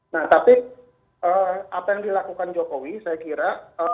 nah tapi apa yang dilakukan jokowi saya kira